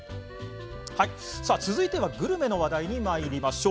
続いてはグルメの話題にまいりましょう。